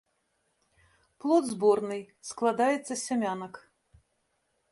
Плод зборны, складаецца з сямянак.